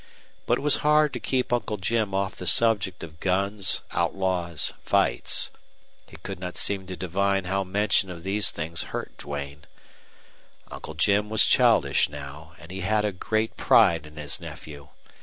But it was hard to keep Uncle Jim off the subject of guns, outlaws, fights. He could not seem to divine how mention of these things hurt Duane. Uncle Jim was childish now, and he had a great pride in his nephew.